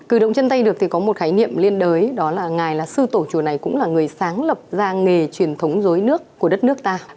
cử động chân tay được thì có một khái niệm liên đới đó là ngài là sư tổ chùa này cũng là người sáng lập ra nghề truyền thống dối nước của đất nước ta